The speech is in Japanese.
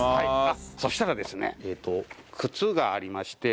そしたらですね靴がありまして。